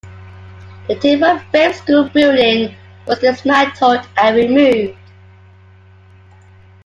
The timber framed school building was dismantled and removed.